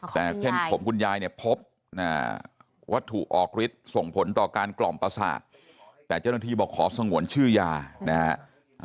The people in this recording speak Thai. แต่เส้นผมคุณยายเนี่ยพบวัตถุออกฤทธิ์ส่งผลต่อการกล่อมประสาทแต่เจ้าหน้าที่บอกขอสงวนชื่อยานะฮะ